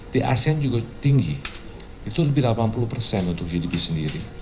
di asean juga tinggi itu lebih delapan puluh persen untuk gdp sendiri